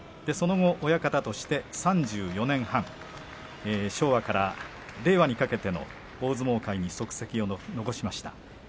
その後、親方として３４年半昭和から令和にかけての大相撲界に足跡を残しました。